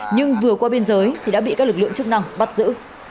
nhưng vừa qua biên giới thì đã bị các lực lượng chức năng bắt giữ